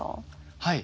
はい。